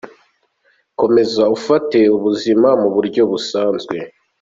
Komeza ufate ubuzima mu buryo busanzwe.